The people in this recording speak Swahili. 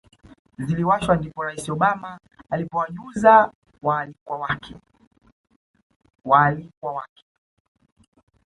ziliwashwa ndipo Rais Obama alipowajuza waalikwa wake